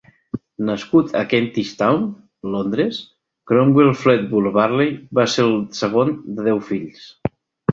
Nascut a Kentish Town, Londres, Cromwell Fleetwood Varley va ser el segon de deu fills.